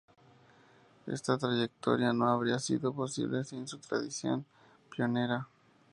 Esta trayectoria no habría sido posible sin su tradición pionera.